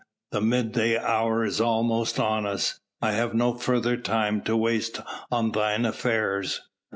The midday hour is almost on us. I have no further time to waste on thine affairs.